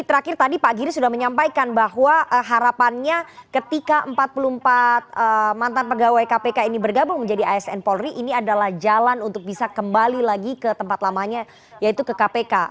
jadi tadi pak giri sudah menyampaikan bahwa harapannya ketika empat puluh empat mantan pegawai kpk ini bergabung menjadi asn polri ini adalah jalan untuk bisa kembali lagi ke tempat lamanya yaitu ke kpk